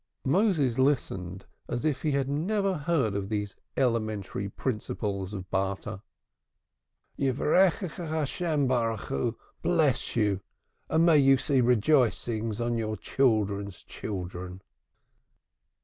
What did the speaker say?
Moses listened as if he had never heard of the elementary principles of barter. "May the Name, blessed be It, bless you, and may you see rejoicings on your children's children."